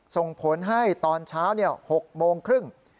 ส่งผลให้ตอนเช้า๖โมงครึ่ง